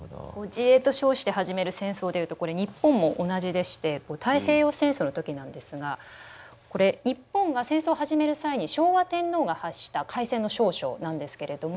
自衛と称して始める戦争でいうとこれ日本も同じでしてこれ太平洋戦争の時なんですがこれ日本が戦争を始める際に昭和天皇が発した開戦の詔書なんですけれども。